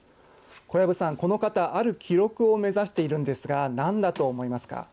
小籔さん、この方ある記録を目指しているんですが何だと思いますか。